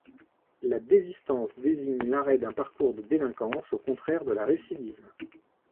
La désistance désigne l'arrêt d'un parcours de délinquance, au contraire de la récidive.